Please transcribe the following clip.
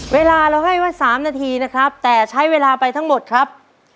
เวลาเราให้ไว้๓นาทีนะครับแต่ใช้เวลาไปทั้งหมดครับ